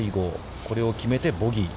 これを決めて、ボギー。